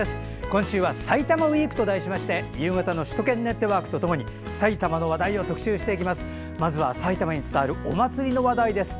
今週は埼玉ウイークと題しまして夕方の「首都圏ネットワーク」とともに埼玉の話題を特集していきます。